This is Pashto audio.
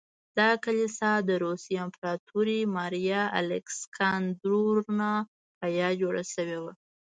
دا کلیسا د روسیې د امپراتورې ماریا الکساندرونا په یاد جوړه شوې وه.